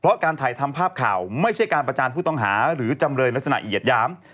เพราะการถ่ายทำภาพข่าวไม่ใช่การประจานผู้ต้องหาหรือจำเลยลักษณะเหยียดหยาม